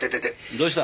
どうした？